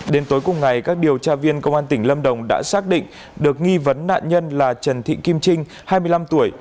đến tối cùng ngày các điều tra viên công an tỉnh lâm đồng đã xác định được nghi vấn nạn nhân là trần thị kim trinh hai mươi năm tuổi